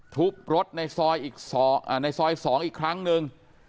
ทุบรถในซอยในซอย๒อีกครั้งหนึ่ง